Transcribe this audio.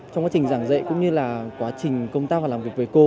trong quá trình giảng dạy cũng như là quá trình công tác và làm việc với cô